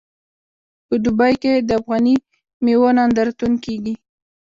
په دوبۍ کې د افغاني میوو نندارتون کیږي.